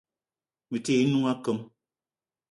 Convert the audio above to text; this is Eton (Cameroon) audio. Me te ye n'noung akeng.